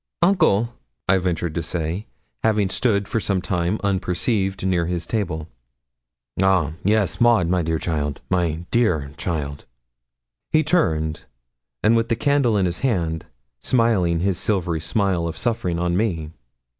'Uncle!' I ventured to say, having stood for some time unperceived near his table. 'Ah, yes, Maud, my dear child my dear child.' He turned, and with the candle in his hand, smiling his silvery smile of suffering on me.